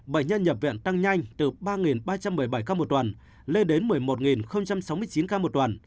bệnh nhân nhập viện tăng nhanh từ ba ba trăm một mươi bảy ca một tuần lên đến một mươi một sáu mươi chín ca một tuần